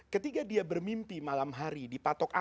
ketika dia bermimpi malam hari di patok air